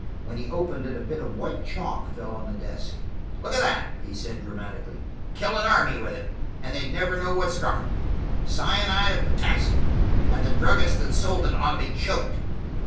When he opened it a bit of white chalk fell on the desk. "Look at that," he said dramatically. "Kill an army with it, and they'd never know what struck them. Cyanide of potassium–and the druggist that sold it ought to be choked."